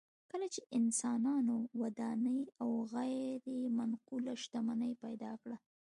کله چې انسانانو ودانۍ او غیر منقوله شتمني پیدا کړه